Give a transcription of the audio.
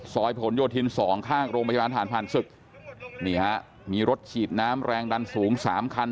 ซอยผลโยธิน๒ข้างโรงพยาบาลธาตุภัณฑ์ศึกนี่ฮะมีรถฉีดน้ำแรงดันสูง๓คัน